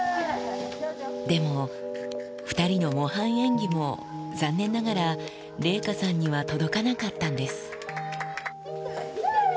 でも、２人の模範演技も残念ながら、麗禾さんには届かなかったんです。